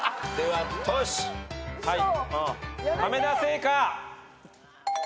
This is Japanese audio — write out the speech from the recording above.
はい。